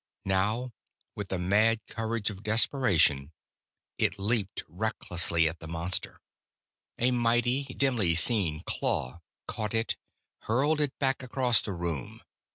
Now, with the mad courage of desperation, it leaped recklessly at the monster. A mighty, dimly seen claw caught it, hurled it back across the room.